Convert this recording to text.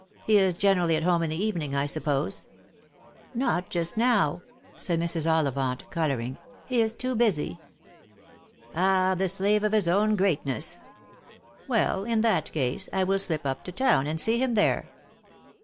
He is generally at home in the evening, I suppose ?"" Not just now," said Mrs. Ollivant, colouring ;" he is too busy." " Ah, the slave of his own greatness ! Well, in that case I will slip up to town and see him there."